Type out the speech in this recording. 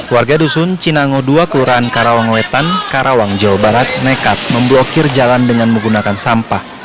warga dusun cinango dua kelurahan karawang wetan karawang jawa barat nekat memblokir jalan dengan menggunakan sampah